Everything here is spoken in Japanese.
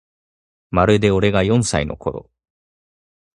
まるで俺が四歳のころ